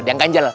ada yang ganjel